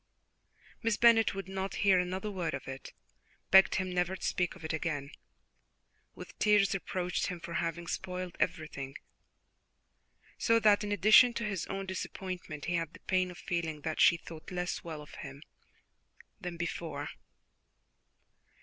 Miss Bennet would not hear another word of it begged him never to speak of it again with tears reproached him for having spoilt everything, so that in addition to his own disappointment he had the pain of feeling that she thought less well of him than before.